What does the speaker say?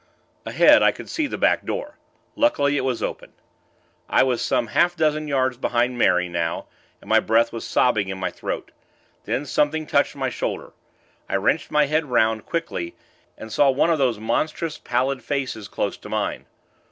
Ahead, I could see the back door luckily it was open. I was some half dozen yards behind Mary, now, and my breath was sobbing in my throat. Then, something touched my shoulder. I wrenched my head 'round, quickly, and saw one of those monstrous, pallid faces close to mine.